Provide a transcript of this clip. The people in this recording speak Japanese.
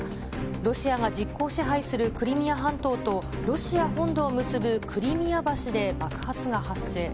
ロシアが実効支配するクリミア半島とロシア本土を結ぶクリミア橋で爆発が発生。